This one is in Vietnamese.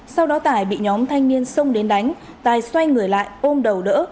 sau đó tài bị nhóm thanh niên xông đến đánh tài xoay người lại ôm đầu đỡ